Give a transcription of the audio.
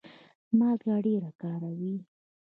مالګه ډیره کاروئ؟